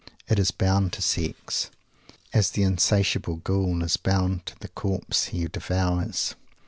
It is bound to Sex, as the insatiable Ghoul is bound to the Corpse he devours.